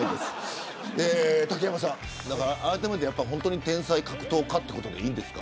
竹山さん、天才格闘家ということでいいんですか。